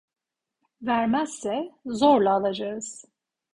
Vermezse zorla alacağız…